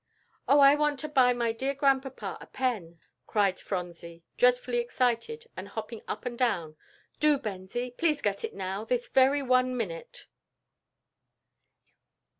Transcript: "Oh, I want to buy my dear Grandpapa a pen," cried Phronsie, dreadfully excited and hopping up and down; "do, Bensie, please get it now, this very one minute!"